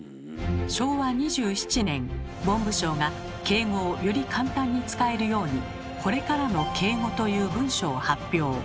昭和２７年文部省が敬語をより簡単に使えるように「これからの敬語」という文書を発表。